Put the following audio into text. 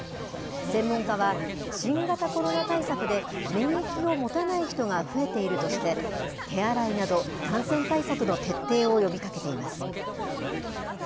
専門家は新型コロナ対策で、免疫を持たない人が増えているとして、手洗いなど、感染対策の徹底を呼びかけています。